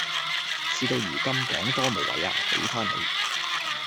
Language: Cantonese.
事到如今講多無謂呀，畀返你